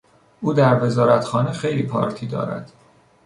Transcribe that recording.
او در وزارتخانه خیلی پارتی دارد.